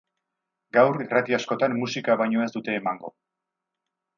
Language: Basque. Gaur, irrati askotan musika baino ez dute emango.